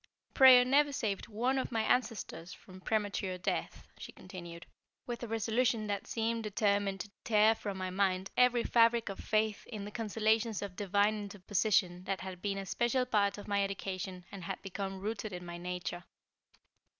"Prayer never saved one of my ancestors from premature death," she continued, with a resolution that seemed determined to tear from my mind every fabric of faith in the consolations of divine interposition that had been a special part of my education, and had become rooted into my nature.